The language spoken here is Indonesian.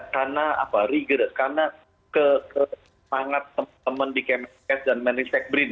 karena kemangat teman teman di kemenkes dan manistek brin